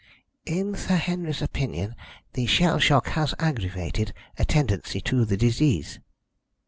"In Sir Henry's opinion the shell shock has aggravated a tendency to the disease."